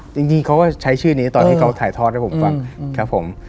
จริงเขาก็ใช้ชื่อนี้ตอนที่เขาถ่ายทอดให้ผมฟังครับผม